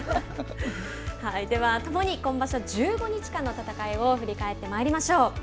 ではともに今場所１５日間の戦いを振り返ってまいりましょう。